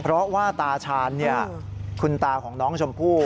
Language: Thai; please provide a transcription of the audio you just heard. เพราะว่าตาชาญคุณตาของน้องชมพู่